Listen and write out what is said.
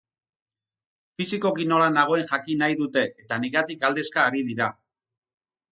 Fisikoki nola nagoen jakin nahi dute eta nigatik galdezka ari dira.